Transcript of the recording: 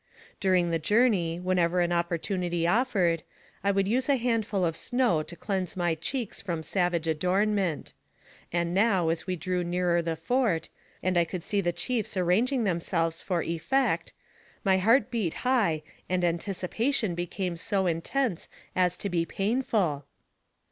During the journey, whenever an opportunity offered, I would use a handful of snow to cleanse my cheeks from savage adornment; and now, as we drew nearer the fort, and I could see the chiefs arranging them selves for effect, my heart beat high, and anticipation became so intense as to be painful.